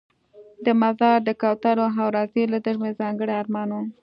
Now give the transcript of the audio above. د مزار د کوترو او روضې لیدل مې ځانګړی ارمان و.